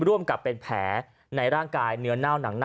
ร่วมกับเป็นแผลในร่างกายเนื้อเน่าหนังหน้า